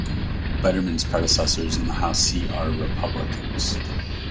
Biedermann's predecessors in the House seat are Republicans.